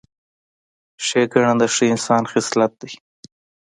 ښېګڼه د ښه انسان خصلت دی.